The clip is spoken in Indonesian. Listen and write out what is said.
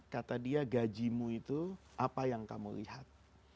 kata dia gajimu itu apa yang kamu lihat